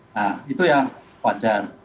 nah itu yang wajar